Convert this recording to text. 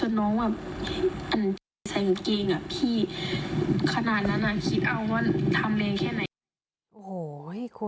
โอ้โฮคุณ